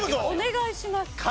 お願いします。